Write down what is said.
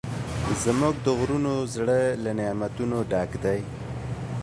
زموږ د غرونو زړه له نعمتونو ډک دی.